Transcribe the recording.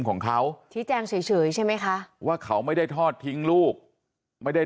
ของเขาชี้แจงเฉยใช่ไหมคะว่าเขาไม่ได้ทอดทิ้งลูกไม่ได้